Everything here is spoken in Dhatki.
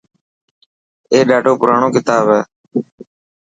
اي ڏاڌو پراڻو ڪتاب هي.